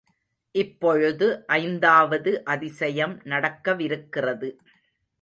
இப்பொழுது ஐந்தாவது அதிசயம் நடக்கவிருக்கிறது.